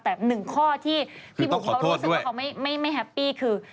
แต่หนึ่งข้อที่พี่บุ๊คเขารู้สึกว่าเขาไม่แฮปปี้คือ